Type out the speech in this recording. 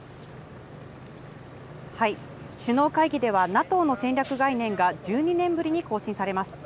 首脳会議では、ＮＡＴＯの戦略概念が１２年ぶりに更新されます。